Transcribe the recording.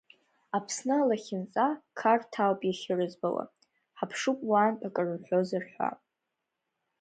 Аԥсны алахьынҵа Қарҭ ауп иахьырыӡбауа, ҳаԥшуп уаантә акыр рҳәозар ҳәа.